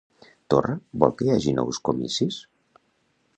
Torra vol que hi hagi nous comicis?